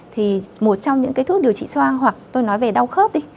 thì một trong những thuốc điều trị soan hoặc tôi nói về đau khớp đi